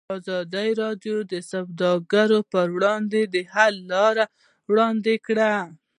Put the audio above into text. ازادي راډیو د سوداګري پر وړاندې د حل لارې وړاندې کړي.